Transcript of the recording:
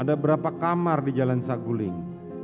ada berapa kamar di jalan saguling